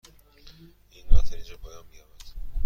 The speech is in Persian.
این قطار اینجا پایان می یابد.